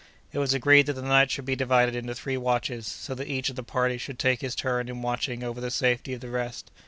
It was agreed that the night should be divided into three watches, so that each of the party should take his turn in watching over the safety of the rest.